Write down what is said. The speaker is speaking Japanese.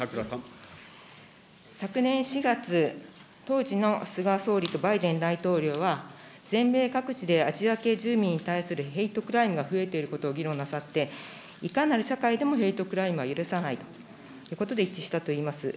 昨年４月、当時の菅総理とバイデン大統領は、全米各地でアジア系住民に対するヘイトクライムが増えていることを議論なさって、いかなる社会でもヘイトクライムは許さないということで一致したといいます。